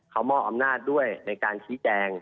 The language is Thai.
เขามอบอำนาจด้วยในการชี้แจง